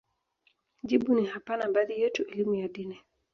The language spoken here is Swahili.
jibu ni hapana Baadhi yetu elimu ya dini